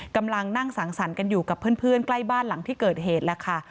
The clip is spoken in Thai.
กำลังนั่งสังสรรค์กันอยู่กับเพื่อนใกล้บ้านหลังที่เกิดเหตุแล้วค่ะ